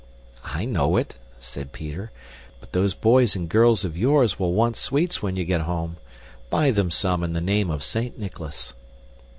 "I know it," said Peter, "but those boys and girls of yours will want sweets when you get home. Buy them some in the name of Saint Nicholas."